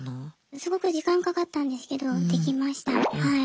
すごく時間かかったんですけどできましたはい。